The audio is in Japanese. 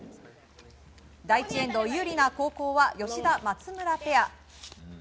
第１エンド有利な後攻は吉田、松村ペア。